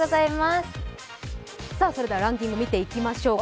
それではランキング見ていきましょうか。